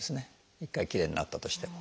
一回きれいになったとしても。